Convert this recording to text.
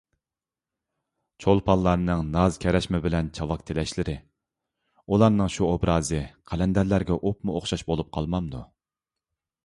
چولپانلارنىڭ ناز ـ كەرەشمە بىلەن چاۋاك تىلەشلىرى، ئۇلارنىڭ شۇ ئوبرازى قەلەندەرلەرگە ئوپمۇئوخشاش بولۇپ قالمامدۇ!